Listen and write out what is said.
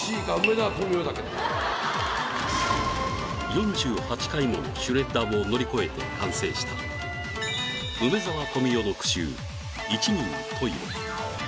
４８回ものシュレッダーを乗り越えて完成した梅沢富美男の句集「一人十色」